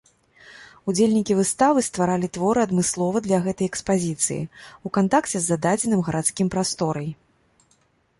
Удзельнікі выставы стваралі творы адмыслова для гэтай экспазіцыі, у кантакце з зададзеным гарадскім прасторай.